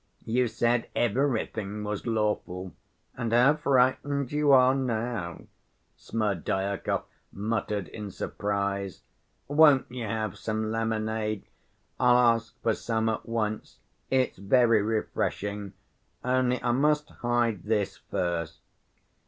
You said 'everything was lawful,' and how frightened you are now," Smerdyakov muttered in surprise. "Won't you have some lemonade? I'll ask for some at once. It's very refreshing. Only I must hide this first."